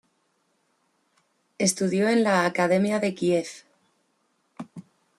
Estudió en la Academia de Kiev.